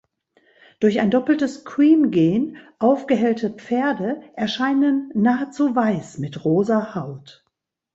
Durch ein doppeltes Cream-Gen aufgehellte Pferde erscheinen nahezu weiß mit rosa Haut.